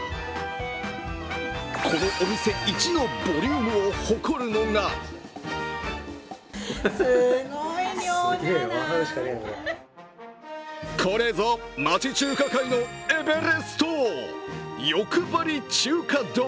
このお店一のボリュームを誇るのがこれぞ町中華界のエベレスト、よくばり中華丼。